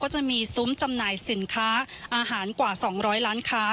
จะมีจำไหนสินค้าอาหารกว่า๒๐๐ล้านขา